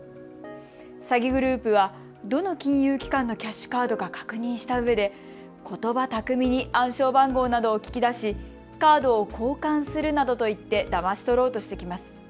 詐欺グループは、どの金融機関のキャッシュカードか確認したうえでことば巧みに暗証番号などを聞き出しカードを交換するなどと言ってだまし取ろうとしてきます。